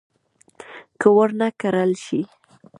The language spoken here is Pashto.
که ور نه کړل شي.